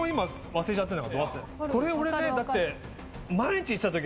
これ俺ねだって。